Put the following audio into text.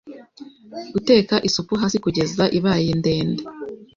Guteka isupu hasi kugeza ibaye ndende.